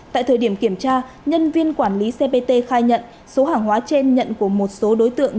tại thời điểm kiểm tra nhân viên quản lý cpt khai nhận số hàng hóa trên nhận của một số đối tượng